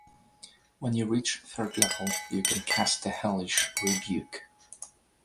When you reach third level, you can cast the hellish rebuke.